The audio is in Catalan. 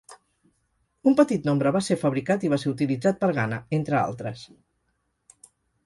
Un petit nombre va ser fabricat i va ser utilitzat per Ghana, entre altres.